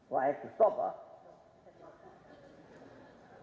wah itu stop ah